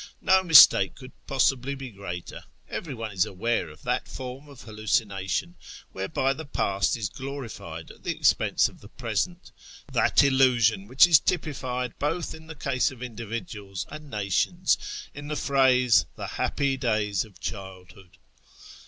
No mistake could possibly be greater. Everyone is aware of that form of hallucination whereby the Past is glorified at the expense of the I'resent ; that illusion wdiich is typilied both in the case of individuals and nations in the phrase, " the happy days of childhood."